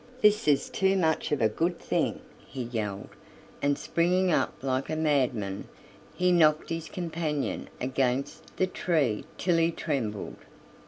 "This is too much of a good thing!" he yelled, and springing up like a madman, he knocked his companion against the tree till he trembled.